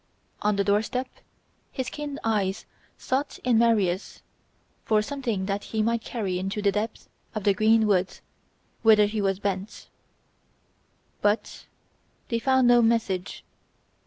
On the door step his keen eyes sought in Maria's for something that he might carry into the depth of the green woods whither he was bent; but they found no message.